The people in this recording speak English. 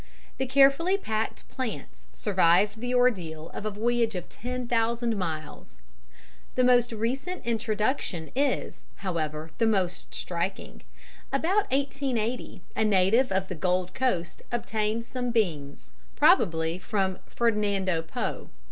The carefully packed plants survived the ordeal of a voyage of ten thousand miles. The most recent introduction is, however, the most striking. About 1880 a native of the Gold Coast obtained some beans, probably from Fernando Po.